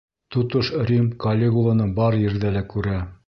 Тотош Рим Калигуланы бар ерҙә лә күрә.